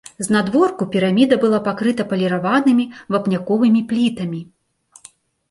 Знадворку піраміда была пакрыта паліраванымі вапняковымі плітамі.